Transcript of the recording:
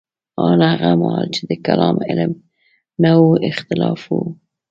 ان هغه مهال چې د کلام علم نه و اختلاف وو.